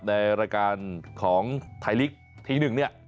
ในรายการของไทยลีกที๑เนี่ย